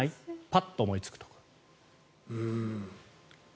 パッと思いつくところ。